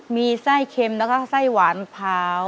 มีไส้เค็มแล้วก็ไส้หวานพร้าว